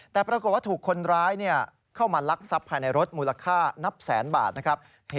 แต่ปรากฏว่าถูกคนร้ายเข้ามาลักทรัพย์ภายในรถมูลค่านับแสนบาทนะครับ